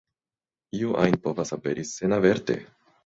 Iu ajn povas aperi senaverte.